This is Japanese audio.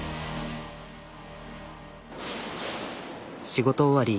仕事終わり。